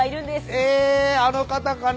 えぇあの方かな？